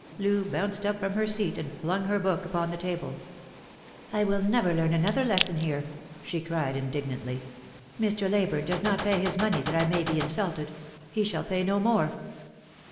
Loo bounced up from her seat, and flung her book upon the table. " I will never learn another lesson here," she cried indig nantly. " Mr. Leyburne does not pay his money that I may be insulted. He shall pay no more."